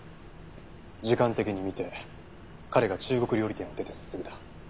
時間的に見て彼が中国料理店を出てすぐだ。